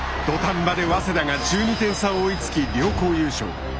土壇場で早稲田が１２点差を追いつき両校優勝。